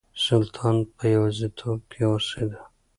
سلطان په يوازيتوب کې اوسېده.